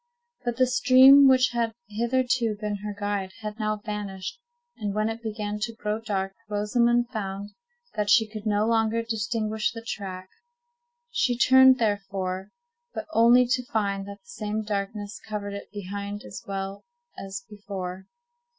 But the stream, which had hitherto been her guide, had now vanished; and when it began to grow dark, Rosamond found that she could no longer distinguish the track. She turned, therefore, but only to find that the same darkness covered it behind as well as before.